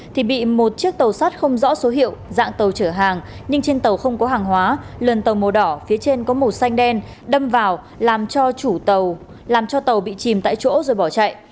thì bị một chiếc tàu sắt không rõ số hiệu dạng tàu chở hàng nhưng trên tàu không có hàng hóa lần tàu màu đỏ phía trên có màu xanh đen đâm vào làm cho chủ tàu làm cho tàu bị chìm tại chỗ rồi bỏ chạy